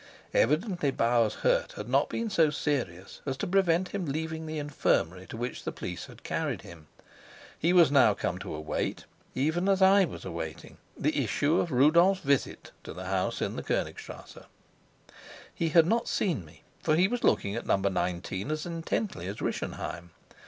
Evidently Bauer's hurt had not been so serious as to prevent him leaving the infirmary to which the police had carried him: he was come now to await, even as I was awaiting, the issue of Rudolf's visit to the house in the Konigstrasse. He had not seen me, for he was looking at No. 19 as intently as Rischenheim.